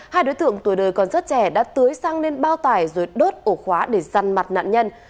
hai đối tượng tuổi đời còn rất trẻ đã tưới sang lên bao tải rồi đốt ổ khóa để răn mặt nạn nhân